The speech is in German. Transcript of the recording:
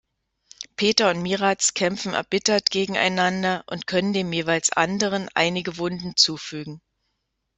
Peter und Miraz kämpfen erbittert gegeneinander und können dem jeweils anderen einige Wunden zufügen.